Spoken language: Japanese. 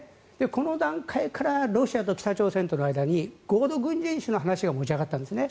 この段階からロシアと北朝鮮との間に合同軍事演習の話が持ち上がったんですね。